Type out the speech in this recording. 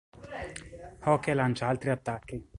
Hoche lancia altri attacchi.